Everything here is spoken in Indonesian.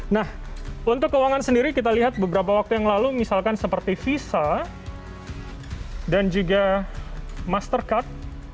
nah untuk keuangan sendiri kita lihat beberapa waktu yang lalu misalkan seperti visa dan juga mastercard